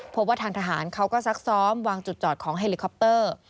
พบว่าทางทหารเขาก็ซักซ้อมวางจุดจอดของเฮลิคอปเตอร์